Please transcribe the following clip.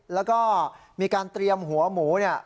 แล้วก็มีการเตรียมหัวหมู